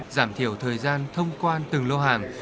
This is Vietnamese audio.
giảm thiểu thời gian thông quan từng lô hàng